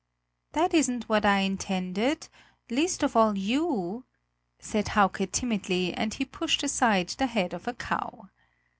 "That isn't what I intended least of all you!" said Hauke timidly, and he pushed aside the head of a cow.